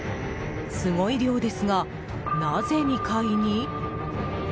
すごい量ですが、なぜ２階に？